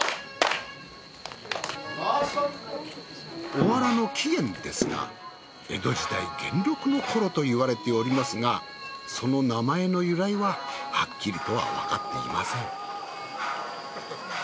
おわらの起源ですが江戸時代元禄の頃と言われておりますがその名前の由来ははっきりとはわかっていません。